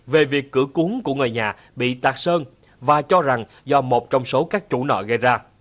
về việc cửa cuốn của người nhà bị tạt sơn và cho rằng do một trong số các chủ nợ gây ra